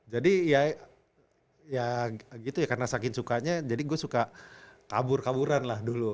jadi ya ya gitu ya karena saking sukanya jadi gua suka kabur kaburan lah dulu